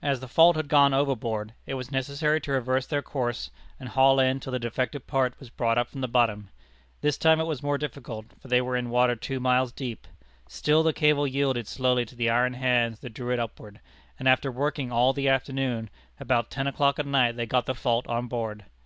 As the fault had gone overboard, it was necessary to reverse their course, and haul in till the defective part was brought up from the bottom. This time it was more difficult, for they were in water two miles deep. Still the cable yielded slowly to the iron hands that drew it upward; and after working all the afternoon, about ten o'clock at night they got the fault on board.